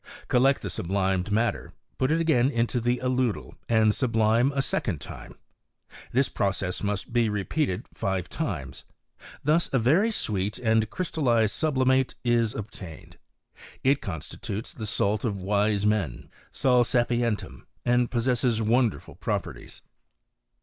Collect the sublimed matter, put it again into the aludel, and sublime a second time ; this pro cess must be repeated five times. Thus a very sweet and crystallized sublimate is obtained : it constitutes the salt of wise men {sal sapientum), and possesses^ wonderful properties.